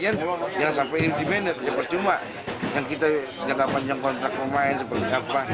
pemain yang sampai di menetapkan cuma yang kita dapat yang kontrak pemain seperti apa